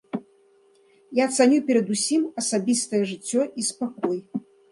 Я цаню перадусім асабістае жыццё і спакой.